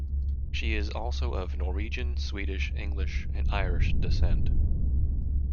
She is also of Norwegian, Swedish, English and Irish descent.